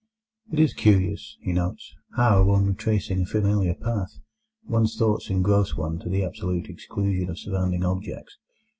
"It is curious," he notes, "how, on retracing a familiar path, one's thoughts engross one to the absolute exclusion of surrounding objects.